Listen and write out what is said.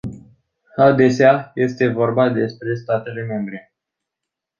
Adesea este vorba despre statele membre.